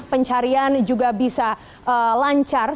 pencarian juga bisa lancar